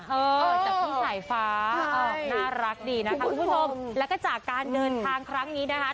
เออจากพี่สายฟ้าน่ารักดีนะคะคุณผู้ชมแล้วก็จากการเดินทางครั้งนี้นะคะ